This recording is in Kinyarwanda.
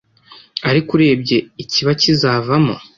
ariko urebye ikiba kizavamo